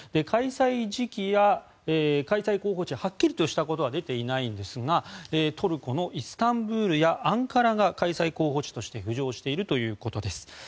開催時期や開催候補地はっきりしたことは出ていないんですがトルコのイスタンブールやアンカラが開催候補地として浮上しているということです。